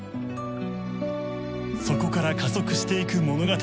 そこから加速していく物語